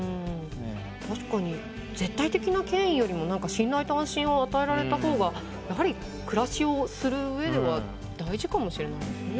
確かに絶対的な権威よりも何か信頼と安心を与えられた方がやはり暮らしをする上では大事かもしれないですね。